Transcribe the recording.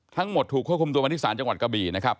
ทั้งหมดถูกควบคุมตัวมาที่สารจังหวัดกระบี่นะครับ